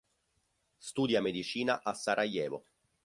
Studia medicina a Sarajevo.